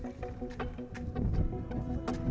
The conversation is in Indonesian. ya lebih banyak